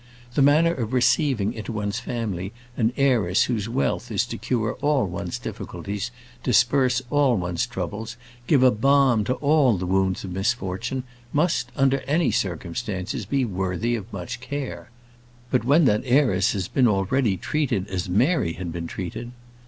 The manner of receiving into one's family an heiress whose wealth is to cure all one's difficulties, disperse all one's troubles, give a balm to all the wounds of misfortune, must, under any circumstances, be worthy of much care. But when that heiress has been already treated as Mary had been treated!